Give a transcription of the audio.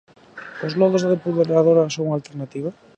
¿Os lodos da depuradora son unha alternativa?